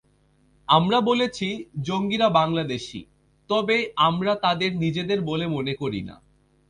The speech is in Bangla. আমরা বলেছি, জঙ্গিরা বাংলাদেশি, তবে আমরা তাদের নিজেদের বলে মনে করি না।